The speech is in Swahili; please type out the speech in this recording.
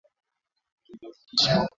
Utahitaji jiko lako la kupikia viazi lishe